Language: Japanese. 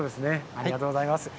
ありがとうございます。